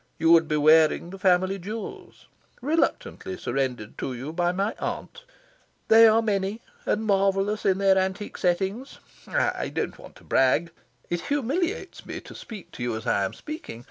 You would be wearing the family jewels, reluctantly surrendered to you by my aunt. They are many and marvellous, in their antique settings. I don't want to brag. It humiliates me to speak to you as I am speaking.